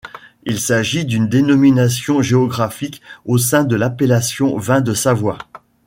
Il s'agit d'une dénomination géographique au sein de l'appellation vin de Savoie.